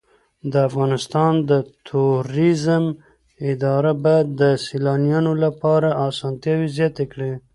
د افغانستان د توریزم اداره باید د سېلانیانو لپاره اسانتیاوې زیاتې کړي.